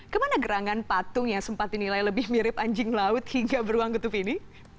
kemana gerangan patung yang sempat dinilai lebih mirip anjing laut hingga beruang getup ini